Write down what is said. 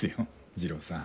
二郎さん。